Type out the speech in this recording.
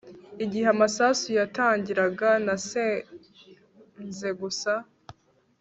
Igihe amasasu yatangiraga nasenze gusa